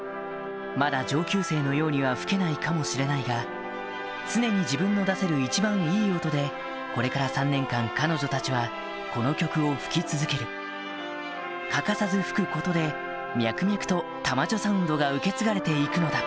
まだ上級生のようには吹けないかもしれないが常に自分の出せる一番いい音でこれから３年間彼女たちはこの曲を吹き続ける欠かさず吹くことで脈々と玉女サウンドが受け継がれて行くのだ